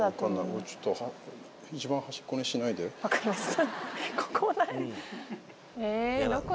俺ちょっと。わかりました。